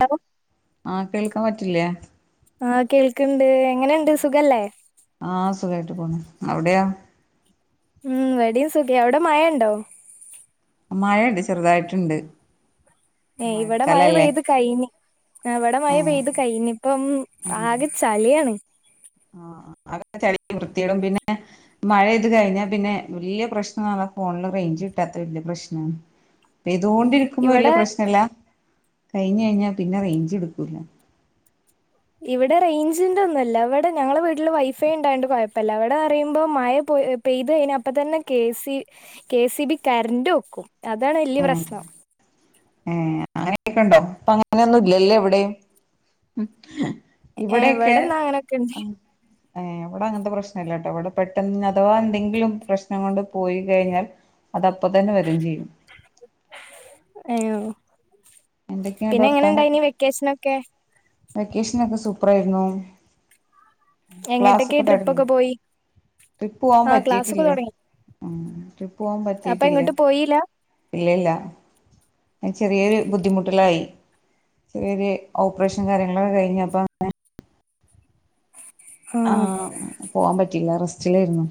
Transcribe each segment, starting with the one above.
Hello ആ കേൾക്കാൻ പറ്റില്ലേ ആ കേൾക്ക എങ്ങനെയുണ്ട് സുഖല്ലേ ആഹ് സുഖായിട്ട് പോ അവിടെയാ ഉം വെടിയും സുഖ അവിടെ മഴ ഉണ്ടോ മഴണ്ട് ചെറുതായിട്ടുണ്ട് ഏ ഇവിടെ മഴ മഴക്കാലല്ലേ പെയ്ത് കയ് ഇവിടെ മഴ പെയ്ത് കൈനി ഇപ്പം ആകെ ചളി യാണ് ആ അതൊ ചല വൃത്തിയിടും പിന്നെ മഴ ഇത് കഴിഞ്ഞാ പിന്നെ വല്യ പ്രശ്നം ഫോണില് റേഞ്ച് കിട്ടാത്ത വല്യ പ്രശ്നമാണ് അപ്പൊ ഇതുകൊണ്ടിരിക്കുമ്പോ വല്യ ഇവിടെ പ്രശ്നല്ല കഴിഞ്ഞ കഴിഞ്ഞാ പിന്നെ റേഞ്ച് എടുക്കൂല ഇവിടെ റേഞ്ചിറ ഒന്നുംല്ല ഇവിടെ ഞങ്ങള വീട്ടില് വൈഫൈ ഉണ്ടായണ്ട് കുഴപ്പില്ല ഇവിടെ പറയുമ്പോ മഴ പെയ്ത് കഴിഞ്ഞാ അപ്പ തന്നെ കെ സ കെ സി ബി കറൻറ് വക്കും ആ ഏ അങ്ങനെയൊക്കെണ്ടോ അപ്പ അങ്ങനെയൊന്നുംല്ലല്ലേ എവിടെയും ഇവിടെയൊക്കെ എവിടെന്നാ അങ്ങനെയൊക്കെ ഇണ്ട് അങ് ഏ അവിടെ അങ്ങനത്തെ പ്രശ്നല്ലട്ടോ അവിടെ പെട്ടെന്ന് അഥവാ എന്തെങ്കിലും പ്രശ്നം കൊണ്ട് പോയി കഴിഞ്ഞാൽ അത് അപ്പൊ തന്നെ വരും ചെയ്യും ഏഹ് എന്തൊക്കെയുണ്ട് പിന്നെ എങ്ങനെ ഇണ്ടായിനി വെക്കേഷനൊക്കെ വെക്കേഷൻ ഒക്കെ സൂപ്പർ ആയിരുന്നു എങ്ങട്ടൊക്കെ ക്ലാസ്സൊക്കെ തടങ്ങു ട്രിപ്പൊക്കെ പോയി ട്രിപ്പ് പോവാൻ ആഹ് ക്ലാസ്സൊക്കെ പറ്റിട്ടില്ല തൊടങ്ങി ട്രിപ്പ് പോകൻ അപ്പൊ പറ്റിട്ടില്ലേ എങ്ങട്ടും പോയീല്ല ഇല്ലല്ല ചെറിയൊരു ബുദ്ധിമുട്ടുകളായി ചെറിയ ചെിയ ഓപ്പറേഷൻ കാര്യങ്ങളൊക്കെ കഴിഞ്ഞപ്പോ അങ്ങന ആഹ് ആഹ പോവാൻ പറ്റില്ലറ ച്ചിലായിരുന്നു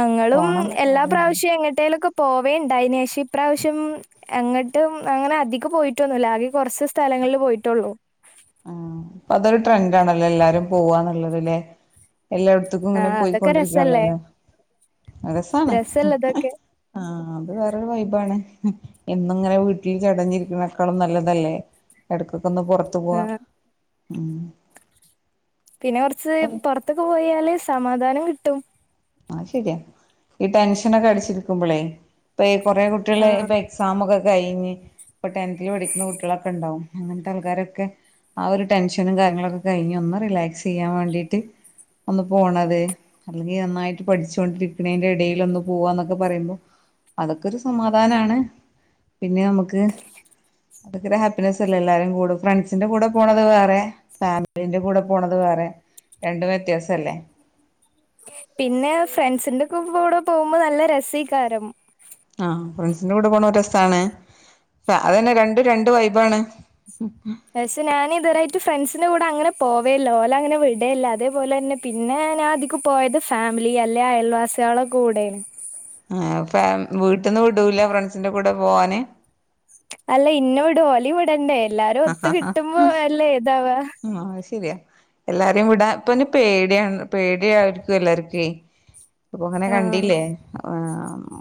അങ്ങളും എല്ലാ ആഗ്രഹണ്ടായിരുന്നു പ്രാവശ്യം എങ്ങട്ടേലൊക്കെ പോവേുണ്ട അതിനന് ശേഷം ഇപ്രാവശ്യം എങ്ങോട്ടും അങ്ങനെ അധികം പോയിട്ടൊന്നുമില്ല ആകെ കുറച്ച് സ്ഥലങ്ങളിൽ പോയിട്ടുള്ളു അപ്പൊ അതൊരു ട്രെൻഡ് ആണല്ലോ എല്ലാരും പോവന്നുള്ളതില്െ എല്ലായിടത്തക്കും ഇങ്ങനെ ആഹ് അതൊക്കെ രസല്ലേ പോയിക്കൊണ്ടിരിക്കള്ളല്ലേ രസമാണ് രസല്ലതൊക്കെ ആ അത് വേറൊരു വൈബാണ് എന്നിങ്ങനെ വീട്ടിൽ ചടഞ്ഞിരിക്കുന്നേക്കാളും നല്ലതല്ലേ എടക്ക് ഒന്ന് പുറത്ത് പോവുക ആഹ് ഉം പിന്നെ കുറച്ച് പുറത്തൊക്ക പോയാല് സമാധാനം കിട്ടും ആ ശരിയാ ഈ ടെൻഷനൊക്കെ അടിച്ചിരിക്കുമ്പളേ ഇപ്പ കുറെ കുട്ടികള് ആഹ് ഇപ്പൊ എക്സാമൊക്കെ കഴിഞ്ഞ് ഇപ്പൊ ടെൻതില് പഠിക്കുന്ന കുട്ടികളൊക്കെ ഉണ്ടാവും അങ്ങനത്തെ ആൾക്കാരൊക്കെ ആ ഒരു ടെൻഷനും കാര്യങ്ങളൊക്കെ കഴിഞ്ഞ് ഒന്ന് റിലാക്സ് ചെയ്യാൻ വേണ്ടിട്ട് ഒന്ന് പോണത് അല്ലെങ്കിൽ നന്നായിട്ട് പഠിച്ചൊണ്ടിരിക്കണേന്റെ ഇടെൽ ഒന്ന് പോവാന്നൊക്കെ പറയുമ്പോ അതൊക്കെ ഒരു സമാധാനമാണ് പിന്നെ നമുക്ക് അതൊക്കെ ഒരു ഹാപ്പിനസ് അല്ലെ എല്ലാരും കൂടെ ഫ്രണ്ട്സിന്റെ കൂടെ പോണത് വേറെ ഫാമിലിന്റെ കൂടെ പോണത് വേറെ രണ്ടും വ്യത്യാസംല്ലേ പിന്നെ ഫ്രണ്ട്സിന്റെക്ക്പ കൂടെ പോകുമ്പോ നല്ല രസകാരം ആഹ് ഫ്രണ്ട്സിന്റെ കൂടെ പോണ ഒരസണ് അതന്നെ രണ്ടും രണ്ട് വൈബാണ് പക്ഷേ ഞാനിതരായിട്ട് ഫ്രണ്ട്സിന്റെ കൂ ഇ അങ്ങനെ പോവേല്ലോ ഓല അങ്ങനെ വിടേല്ല അതേപോലെ തന്നെ പിന്നെ ഞാധികം പോയത് ഫാമിലി അല്ലെ അയൽവാസികള കൂടെ ആ ഫാ വീട്ടിന്ന് വിടൂല്ല ഫ്രണ്ട്സിന്റെ കൂടെ പോവാന് അല്ല ഇന്നോട് ഹോല് വിടണ്ടേ എല്ലാരും ഒത്ത് കിട്ടുമ്പോ അല്ലേ ഏതാവ ആ അത് ശരിയാ എല്ലാരും വിടാ ഇപ്പൊന്ന പേടിയാണ് പേടിയായിരിക്കും എല്ലാര്ക്കോ അപ്പൊ അങ്ങനെ ആഹ് കണ്ടില്ലേ ആ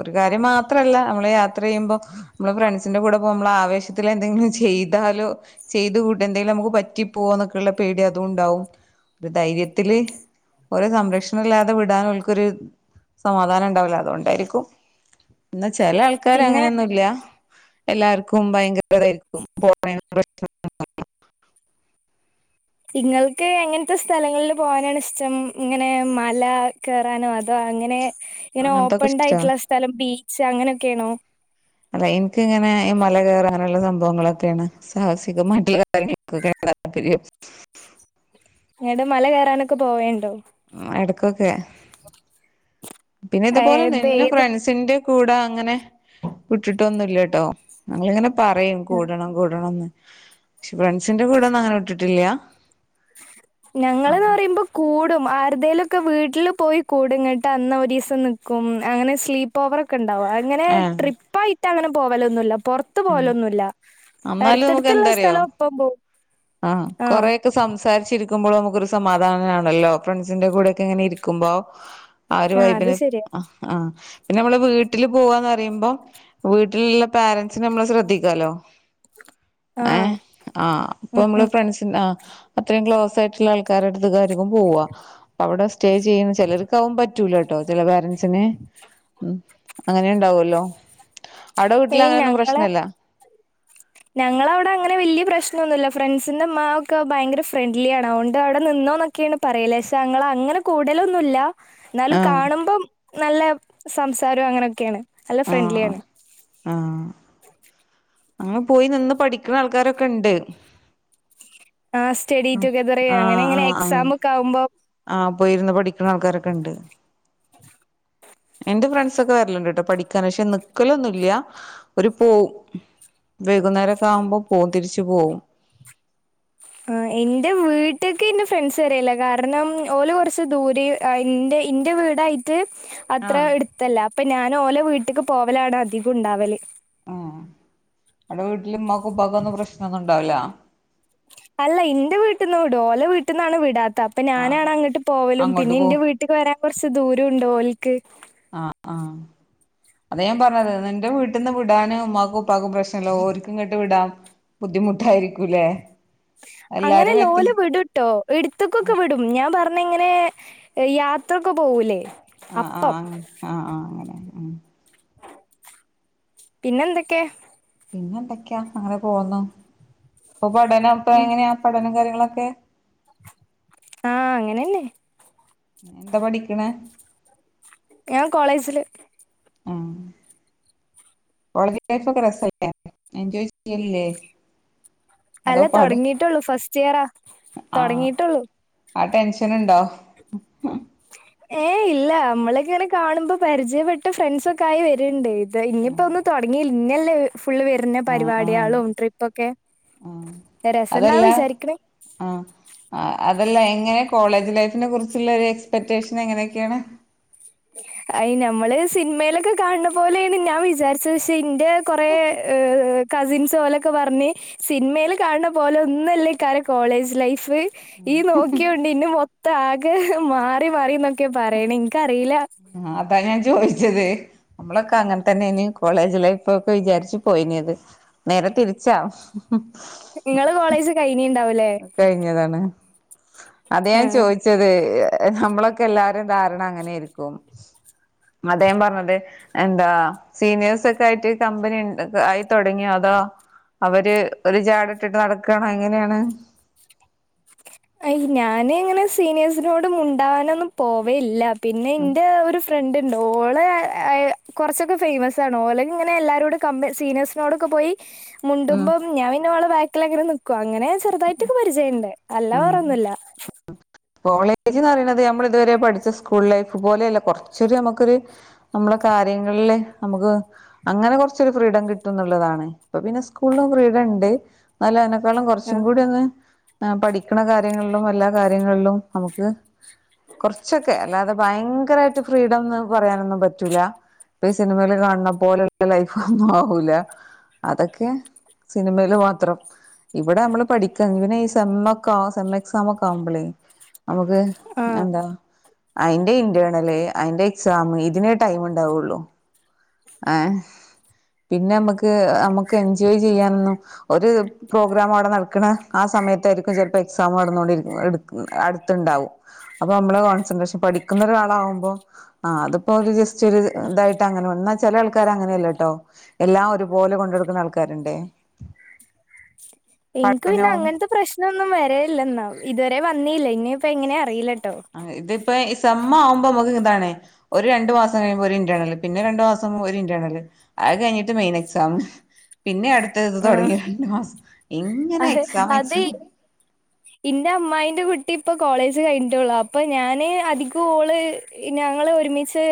ഒരു കാര്യം മാത്രല്ല നമ്മള് യാത്ര ചെയ്യുമ്പോ നമ്മള് ഫ്രണ്ട്സിന്റെ കൂടെപ്പോ നമ്മള ആവേശത്തിൽ എന്തെങ്കിലും ചെയ്താലോ ചെയ്ത് കൂട്ട എന്തെങ്കിലും നമുക്ക് പറ്റി പോവാന്നൊക്കെയള്ള പേടി അത് ഉണ്ടാവും ഒരു ധൈര്യത്തില് ഒര് സംരക്ഷണ ഇല്ലാതെ വിടാന അവക്കൊരു സമാധാനം ഉണ്ടാവില്ല അതുകൊണ്ടായിരിക്കും എന്നാ ചില ആൾക്കാര് പിന്നെ അങ്ങനെയൊന്നുംല്ല എല്ലാർക്കും ഭയങ്കരതായിരിക്കും പോണ [unintelligible] നിങ്ങൾക്ക് എങ്ങനത്തെ സ്ഥലങ്ങളിൽ പോകാനാണ് ഇഷ്ടം ഇങ്ങനെ മല കയറാനോ അതോ അങ്ങനെ പ്രശ്നം ഇങ്ങനെ അങ്ങനത്തൊക്കെ ഇഷ്ടാ ഓപ്പണ്ടായിട്ടുള്ള സ്ഥലം ബീ അങ്ങനെയൊക്കെയാണോ അല്ല എനിക്ക് ഇങ്ങനെ മല കയറാനുള്ള സംഭവങ്ങളൊക്കെയാണ് സാഹസികമായിട്ടുള്ള കാര്യങ്ങളൊക്കൊക്കെയ താല്പര്യം മല കയറാനൊക്കെ പോവുണ്ടോ എടക്കൊക്കെ പിന്നെ ഇതുപോലെ ഏത് നിന്നെ ഏതും ഫ്രണ്ട്സിന്റെ കൂടെ അങ്ങനെ വിട്ടിട്ടൊന്നുംല്ലട്ടോങ്ങനെ പറയും കൂടണം കൂടണംന്ന് പക്ഷെ ഫ്രണ്ട്സിന്റെ കൂടെ ഒന്നും അങ്ങനെ വിട്ടിട്ടില്ല ഞങ്ങളന്ന് അപ്പൊ പറയുമ്പോ കൂടും ആ വെടുതേലൊക്കെ വീട്ടിൽ പോയി കൂടുങ്ങോട്ട് അന്ന ഒരു ദിവസം നിൽക്കും അങ്ങനെ സ്ലീപ്പ് ഓവർ ഒക്കെ ഇണ്ടാകും അങ്ങനെ ഏഹ് ട്രിപ്പായിട് അട്ടങ്ങനെ പോവലോന്നൂല്ല പൊറത്ത് പോവലൊന്നൂല്ല അമ്മായിലോകം എന്താറിയോ ആ ആഹ് കൊറേക്കെ സംസാരിച്ചു സംസാരിച്ചിരിക്കുമ്പോൾ നമുക്കൊരു സമാധാനാണല്ലോ ഫ്രണ്ട്സിന്റെ കൂടെക്കെങ്ങനെ ഇരിക്കുമ്പോ ആ ഒരു ആഹ് അത് വൈബിൽ ശരിയാ പിന്നമ്മള് വീട്ടിൽ പൂവാന്നറീമ്പോ വീട്ടിലുള്ള പാറൻസിനെ നമ്മള് ശ്രദ്ധിക്കോലോ ഏ ആഹ് ആ ഉം അപ്പമ്മള് ഉം ഫ്രണ്ട്സിന്റെ അത്രയും ക്ലോസ് ആയിട്ടുള്ള ആൾക്കാര അടുത്തക്കയ്ക്കാരം ഇവൻ പോവാ അവിടെ സ്റ്റേ ചെയ്യുന്ന ചെലർക്ക് അതൊന്നും പറ്റൂലട്ടോ ചില പേരൻറസിന് ഉം. അങ്ങനെ ഉണ്ടാവല്ലോ? അവിടെ വീട്ടില അങ്ങനെയൊന്നും പ്രശ്നല്ല. ഞങ്ങള അവിടെ അങ്ങനെ വലിയ പ്രശ്നൊന്നുല്ല. ഫ്രണ്ട്സിന്റെ ഉമ്മാ ഒക്കെ ഭയങ്കര ഫ്രണ്ട്ലി ആണ്. അതുകൊണ്ട് അവിടെ നിന്നോന്നൊക്കെയാണ് പറയിൽ. പക്ഷെ ഞങ്ങള അങ്ങനെ കൂടലൊന്നുംല്ല. ന്നാലും ആഹ് കാണുമ്പം നല്ല സംസാരും അങ്ങനൊക്യാണ്. നല്ല ഫ്രണ്ട്ലി ആഹ് ആണ്. അങ്ങൻ പോയി നിന്ന് പഠിക്ണാ ൾക്കാരൊക്കണ്ട്. ലാസ്റ്റ് യേടീറ്റുഗെതറ് അങ്ങനെ ങ്ങനെ എക്സാ മൊക്ക ആവുമ്പോ ആഹ പോയിരുന്ന് പഠിക്കണ ആൾക്കാരൊക്കെണ്ട്. എന്റെ ഫ്രണ്ട്സൊക്കെ വരൽണ്ട് ട്ടോ പഠിക്കാൻ പക്ഷെ നിക്കലൊന്നുംല്ല്യ. ഓര് പോവും വൈകുന്നേരൊക്കാ ആവുമ്പോ പോകും തിരിച്ചു പോവും. ആ ഇൻൻ്റെ വീട്ട്ക്ക് ന്റെ ഫ്രണ്ട്സ് വരലി ല്ല കാരണം ഓല് കുറച്ച് ദൂരീ ആയി ഇൻ്റെ ഇൻ്റെവീടായിട്ട് അത്ര ആഹ് എട്ത്തല്ല. അപ്പഞാൻ ന്നോലെ വീട്ട്ക്ക് പോവലാണ ധികും ണ്ടാവല് ആ അവ്ട വീട്ടില് മൗ ഉപ്പാകൊന്നും പ്രശ്നൊന്നും [unintelligible] അല്ല ഇന്റെ വീട്ട്ന്ന് വിടും ഓലെ വീട്ട്ന്നാണ് വിടാത് അപ്പ ആഹ് ഞാനാണങ്ങട്ട് പോവലും അങ്ങോട്ട് പിന്നി പോ ന്റെ വീട്ടക്ക് വരാൻ കുറച്ച് ദൂരും ണ്ടോൽക് ക്കേ ആ അഹ അതെ ഞാൻ പറഞ്ഞത് നി് ൻടെ ന്റെ വീട്ട്ന്ന് വിടാൻ ഉമ്മാക്കും ഉപ്പക്കും പ്രശ്നല്ല. ഓൺക്കിങ്ങട്ട് വിടാൻ ബുദ്ധിമുട്ടായിരിക്കൂല്ലേ? എല്ലാരും അങ്ങനെല്ല. എത്തി ഓല് വിടുട്ടോ. എടുത്ത്ക്കൊക്കെ വിടും, ഞാൻ പർഞ്ങ്ങനെ യാത്രൊക്കെ പോവൂലെ ആഹ് ആഹ് അങ്ങനെ ആഹ് ആഹ് അങ്ങനെ ഉം പിന്നെ എന്തൊക്കെ? പിന്നെ എന്തക്കെയാ അങ്ങനെ പോകുന്നു. ഇപ്പൊ പഠനം ഇപ്പ ഉം എങ്ങനെയാ പഠനം കാര്യങ്ങളൊക്കെ ഓക്കെ ആഹ അങ്ങനെന്നെ എന്താ പഠിക്കണ ഞാൻ കോളേജില് ആഹ വള ലൈഫ ഒക്കെ രസ എൻജോയ് ചെയല്ലേ അല്ല തുടങ്ങിയിട്ടുള്ളൂ ഫസ്റ്റ് ഫസ്റ്റ് ഇയർ ആ ആഹ് തുടങ്ങിട്ടുള്ളൂ ആ ടെൻഷൻുണ്ടോ ഏ ഇല്ല നമ്മളക്ക ഇങ്ങനെ കാണുമ്പോ പരിചയപ്പെട്ട ഫ്രണ്ട്സ ഒക്കെ ആയി വരണ്ടേ [unintelligible] ഇനിയിപ്പോ ഒന്ന് തൊടങ്ങിയിൽ പിന്നെയല്ലേ ഇ ഫുള്ള് വെരുന്ന ആഹ് ആഹ് പരിപാടിയാളും ട്രിപ്പൊക്കെ, ആഹ് രസണ്ടാവും അതല്ല വിചാരിക്കണ്. ആഹ് അതല്ല എങ്ങനെ കോളേജ് ലൈഫിനെ കുറിച്ചുള്ള ഒരു എക്സ്പെക്റ്റേഷൻ എങ്ങനെയൊക്കെയാണ്? അയി ഞമ്മള് സിനിമയിലൊക്കെ കാണണ പോലെയാണ് ഞാൻ വിചാരിച്ചത് പക്ഷേ ഇൻ ഇന്റെ കൊറെ കസിൻസ് ഓലെക്കെ പറഞ്ഞ് സിനിമേല് കാണണ പോലെ ഒന്നുവല്ല [unintelligible] കോളേജ് ലൈഫ് ഫ് ഈയ് നോക്കിയോണ്ട് ഇന്നി മൊത് ത്തെ ആകെ മാറി മറിയുന്നൊക്ക് ക്കെ പറയണേ ഇനിക്കറിയില്ല. ആഹ് അതാ ഞാൻ ചോയിച്ച ത് നമ്മളൊക്കെ അങ്ങനെ തന്നെ ഏനി കോളേജ് ലൈഫ് ഒക്കെ വിചാരിച്ച് പോയിനത് നേരെ തിരിച്ചാ. ഇങ്ങള് കോളേജ് കഴിഞ്ഞീ ഇണ്ടാവൂല്ലേ? കഴിഞ്ഞതാണ് അതാ ഞാൻ ആഹ് ചോയിച്ചത് നമ്മളൊക്കെ എല്ലാരുടെയും ധാരണ അങ്ങനെയായിരിക്കും അദ്ദേഹം പറഞ്ഞത് എന്താ സീനിയേഴ്സൊക്കെ ആയിട്ട് കമ്പനി ആയി തുടങ്ങിയോ അതോ അവര് ഒരു ജാടെയൊക്കെ ഇട്ടിട്ട് നടക്കുവാണോ എങ്ങനെയാണ് അ ഞാന് ഇങ്ങനെ സീനിയേഴസിനോട് മിണ്ടാനൊന്നും പോവേയില്ല പിന്നെ എന്റെ ഒരു ഫ്രണ്ട് ഒ ണ്ട് ഓള് കുറച്ചൊക്കെ ഫേയിമസ് ആണ് ഓള് ഇങ്ങനെ എല്ലാരോടും കമ്പ സീനിയേഴ്സിനോടൊക്കെ പോയി ഉം മുണ്ടുമ്പം ഞാൻ ഇന്നവളെ വ അങ്ങനെ നിക്കുവാ അങ്ങനെ ചെറുതായിട്ടൊക്കെ പരിചയമുണ്ട് അല്ലാതെ വേറൊന്നുമില്ല കോളേജെന്ന് പറയണന്നത് നമ്മൾ ഇതുവരെ പഠിച്ച സ്കൂൾ ലൈഫ് പോലെയല്ല കൊറച്ചൊരു നമ്മുക്കൊരു നമ്മളെ കാര്യങ്ങളില് നമുക്ക് അങ്ങനെ കൊറച്ചൊരു ഫ്രീഡം കിട്ടും എന്നുള്ളതാണ് ഇപ്പ പിന്നെ സ്കൂളിലും ഫ്രീഡം ഉണ്ട് എന്നാലും അതി നേക്കാളും കുറച്ചും ആഹ് കൂടി ഒന്ന് പഠിക്കണ കാര്യങ്ങളിലും എല്ലാ കാര്യങ്ങളിലും നമുക്ക് കുറച്ചൊക്കെ അല്ലാതെ ഭയങ്കരവായിട്ട് ഫ്രീഡംന്ന് പറയാനൊന്നും പറ്റൂല്ല ഇപ്പ ഈ സിനിമയിൽ കാണണ പോലുള്ള ലൈഫ് ഒന്നും ആവൂല്ല അതൊക്കെ സിനിമയില് മാത്രം ഇവിടെ നമ്മള് പഠിക്കുക എന്തിനാ ഈ സെമ്മൊക്കെ സെം എക്സാമൊക്കെ ആവുമ്പളേ നമുക്ക് ആഹ് എന്താ അതിന്റെ ഇന്റേർണല് അയിന്റെ എക്സാം ഇതിനെ ടൈം ഉണ്ടാവുള്ളു ആഹ് പിന്നെ നമ്മുക്ക് നമുക്ക് എൻജോയ് ചെയ്യാനൊന്നും ഒരു പ്രോഗ്രാം അവിടെ നടക്കണ ആ സമയത്തായിരിക്കും ചിലപ്പോ എക്സാം നടന്നോണ്ടിരിക്കുന്നത് അടുത്തുണ്ടാവും അപ്പൊ നമ്മള് കോൺസെൻട്രേഷൻ പഠിക്കുന്ന ഒരാളാകുമ്പോ ആ അതിപ്പോ ഒരു ജസ്റ്റ് ഒരു ഇതായിട്ട് അങ്ങനെ വ ചില ആൾക്കാര് അങ്ങനെയല്ലോ കേട്ടോ എല്ലാം ഒരു പോലെ കൊണ്ട് നടക്കുന്ന ആൾക്കാരുണ്ടേ എനിക്ക് പിന്നെ പഠനവും അങ്ങൻത്തെ പ്രശ്നൊന്നും വരലില്ല എന്നാ ഇതുവരെ വ അന്ന ഇല്ല ഇനിയിപ്പ എങ്ങനെ അറിയില്ല ആ ഇതിപ്പോ സമ്മാവുമ്പോ നമുക്ക് ഇതാാണ്േ ഒരു രണ്ടു മാസം കഴിയുമ്പോ ഒരു ഇന്റേർണൽ പിന്നെ രണ്ടു മാസം ഒരു ഇന്റേർണൽ അത് കഴിഞ്ഞിട്ട് മെയിൻ എക്സാം പിന്നെ അടുത്ത് അടുത്തത് ആഹ് തുടങ്ങി രണ്ട്ു മാസം ഇങ്ങനെ അത് എക്സാം അത് എക്സാം ഇട്ട ഇപ്പ കോളേജ് കഴിഞ്ഞട്ടുള്ളു അപ്പൊ ഞാാന് അധികം ഓള് ഞങ്ങള് ഒരുമിച്ച്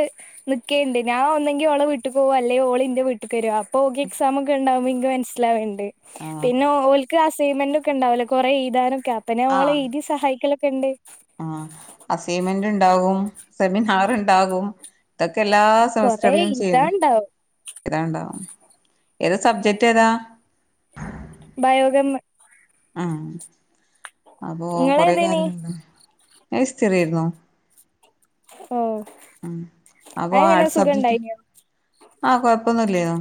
നൽിക്കേുണ്ട് ഞാൻ ഒന്നെങ്കിൽ ഓളെ വീട്ടിൽ പോകോ അല്ലെങ്കിൽ ഓള്ി്ന്റെ വീട്ടിൽ വരും പോകി എക്സാംമ ഒക്കെ ഉണ്ടാവും ഇ ഇവണ്ട് ആഹ് പിന്നെ ഓൾക്ക് അസ്സിൻമെന്റും ഒക്കെ ഉണ്ടാവില്ലേ കുറെ എഴുതാനും അപ്പെ നമ്മളെ ഇതി സഹായിക്ക എണ്ടേ ആ അസൈൻമെന്റ് ഉണ്ടാവും സെമിനാർ ഉണ്ടാകും എല്ലാ കൊറെ സെമസ്റ്ററിലും ചെയ്യന്നേ എഴുതാണ്ടാവും ഏതാണ്ടാ ഏതാ സബ്ജക്റ്റ് ഏതാ ബയോകെമിസ്ട്രി ആഹ അപ്പൊ കൊറെ ഇങ്ങളേതേനി കാര്യങ്ങുണ്ട് ഹിസ്റ്ററി ആയിരുന്നു ഓ അങ്ങനെ സുഖംണ്ടായിന ആഹ കൊഴപ്പൊന്നുംല്ലെന്നോ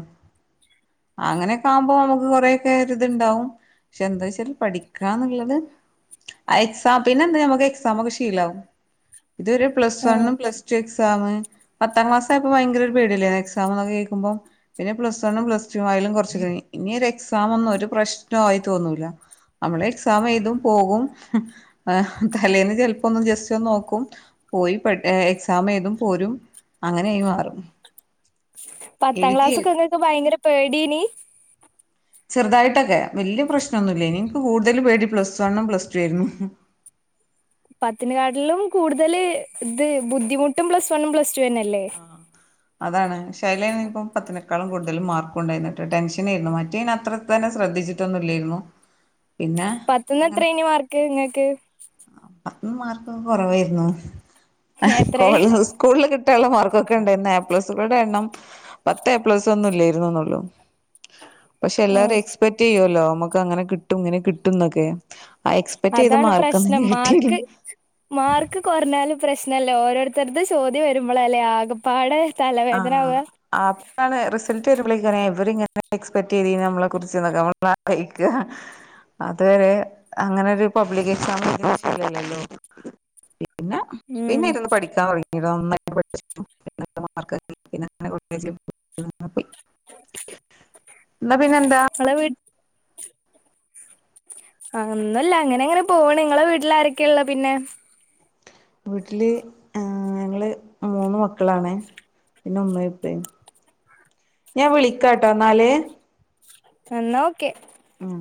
അങ്ങനെയൊക്കെ ആകുമ്പോ നമുക്ക് കൊറെേ കറി ഇത്ണ്ടാവും പക്ഷെ എന്താ വച്ചാൽ പഠിക്കാന്നുള്ളത് ആ എക്സാം പിന്നെ എന്ത നമുക്ക് എക്സാം ഒക്കെ ഷീല ആകും ഇതൊരു പ്ലസ് ആഹ് വണ്ും പ്ലസ് ടു എക്സാം പത്താം ക്ലാസ് അപ്പപ്പോ ഭയര ഒരു പേടല്ലേ നക്സ് എക്സാം എന്നക്കെ കേൾക്കുമ്പോ പിന്നെ പ്ലസ് വണ്ണും പ്ലസ് ടു ആയാലും കുറച്ച ക ഇനി ഒരു എക്സാം ഒന്നും ഒരു പ്രശ്ന ആയി തോന്നൂില്ല നമ്മള് എക്സാം ഏതും പോകും തലേന്ന് ചെപ്പോ ഒ ജസ്റ്റ് നോക്കും പോയി എക്സാം ഏതും പോരും അങ്ങനെയായി മാറും പത്താം എഴുതി ക്ലാസ്ൊക്കെ നിങ്ങക്ക് ഭയങ്കര പേടിനി ചെറുതായിട്ടൊക്കെ വല്യ പ്രശ്നമൊന്നുല്ലെനി കൂടുതൽ പേടി പ്ലസ് വണ്ണും പ്ലസ് ടു ആയിരുന്നു പത്തിനെ കാട്ടിലും കൂടുതല് ഇത് ബുദ്ധിമുട്ടും പ്ലസ് വണ്ണും പ്ലസ് ടു തന്നെയല്ലേ ആ അതാണ് ശേലെ ഇപ്പ പത്തിനേക്കാൾ കൂടുതൽ മാർക്കുണ്ടായിരുന്നിട്ട് ടെൻഷനേരുന്നു മറ്റേതിനത്ര തന്നെ ശ്രെദ്ധിച്ചിട്ടൊന്നുല്ലെരുന്നു പത്തിൽ എത്ര യാണ് മാർഗ് ഇങ്ങക്ക് പത്തില് മാർക്കൊക്കെ കുറവേരുന്നു എത്രേ കോളേ സ്കൂളില് കിട്ടാനുള്ള മാർ കൊക്കേണ്ടാരുന്ന എ പ്ലസുകളുടെ എണ്ണം പത്തേ എ പ്ലസ് ഒന്നും ഇല്ലെരുന്നുന്നുള്ളൂ പഷേ എല്ലാരും എക്സ്പെക്റ്റ് ചെയ്യുലോ നമുക്കങ്ങനെ കി ട്ടും ഇങ്ങനെ കിട്ടുന്നോക്കെ ആ എക്സ്പെക്റ്റ് ചെയ്ത മാർ ഞാ മാർക്ക്‌ മാർക്ക്‌ കൊറഞ്ഞാലും പ്രശ്നം ന്നല്ലോ ഓരോരുത്തരത് ചോദ്യം വരുമ്പളാലെ ആകപ്പാടെ ആ തലവേദന ആവ അപ്പളേ റിസൽട് വരുമ്പളേക്ക് ഏ ഇവരിങ്ങ് പട്ടെക്സ്പെക്റ്റ് ചെയ്തിന് നമ്മളെക്കുറിച്ച്ന്നൊക്ക കഴിക്ക [unintelligible] അതൊരു അങ്ങനൊരു പബ്ലിക് എക്സാമ് [unintelligible] ഏ ഉം പിന്നെരുന്നു പഠിക്കാൻ തൊടങ്ങി [unintelligible] [unintelligible] ന്നാ പിന്നെന്താ ഇങ്ങളെ അന്നുല്ല അങ്ങനങ്ങനെ പോണ് ങ്ങളെ വീട്ടിലാരൊക്കെ ഇള്ളേ പിന്നെ വീട്ടില് ഞങ്ങള് മൂന്ന് മക്കളാണേ പിന്നെ ഉമ്മേം ഉപ്പേം ഞാന് വിളിക്കാട്ടൊന്നാല് ന്നാ ഓക്കെ മ്